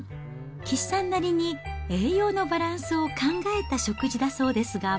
岸さんなりに、栄養のバランスを考えた食事だそうですが。